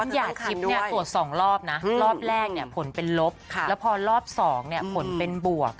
หยาดทิพย์ตรวจสองรอบนะรอบแรกผลเป็นลบและพอรอบสองนะผลเป็นบวก